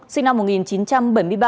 sinh năm một nghìn chín trăm bảy mươi ba